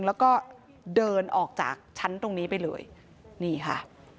แล้วก็เดินออกจากชั้นตรงนี้ไปเลยนี่ค่ะ